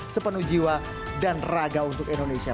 sepenuh jiwa dan raga untuk indonesia